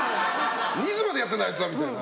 いつまでやってるんだ、あいつはみたいな。